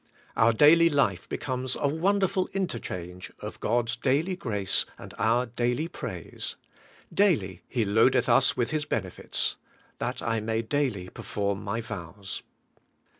Our daily life becomes a wonderful interchange of God's daily grace and our daily praise: 'Daily He loadeth us with His benefits;' 'that I may daily perform my vows.'